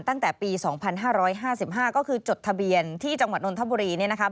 ตั้งแต่ปี๒๕๕๕ก็คือจดทะเบียนที่จังหวัดนนทบุรีเนี่ยนะคะ